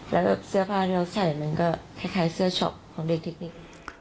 แล้วก็เสื้อผ้าที่เราใส่มันก็คล้ายเสื้อช็อปของเด็ก